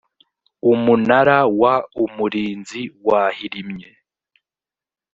umunara w umurinzi wahirimye